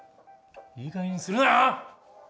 いいかげんにするなよ！